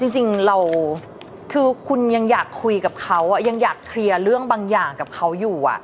จริงเราคือคุณยังอยากคุยกับเขายังอยากเคลียร์เรื่องบางอย่างกับเขาอยู่